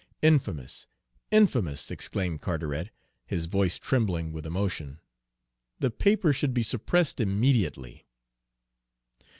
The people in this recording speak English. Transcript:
"Infamous infamous!" exclaimed Carteret, his voice trembling with emotion. "The paper should be suppressed immediately."